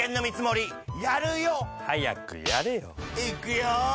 いっくよ！